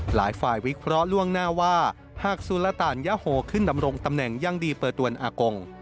หลายฝ่ายวิเคราะห์ล่วงหน้าว่าหากสุรตานยาโฮขึ้นดำรงตำแหน่งยังดีเปิดตัวอากง